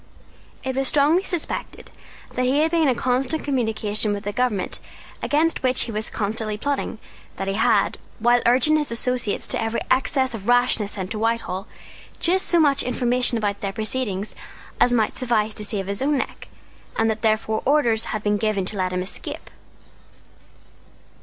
It was strongly suspected that he had been in constant communication with the government against which he was constantly plotting, that he had, while urging his associates to every excess of rashness sent to Whitehall just so much information about their proceedings as might suffice to save his own neck, and that therefore orders had been given to let him escape.